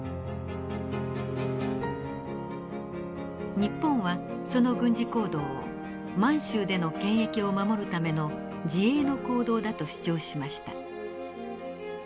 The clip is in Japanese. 日本はその軍事行動を満州での権益を守るための自衛の行動だと主張しました。